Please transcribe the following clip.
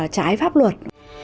trái pháp luật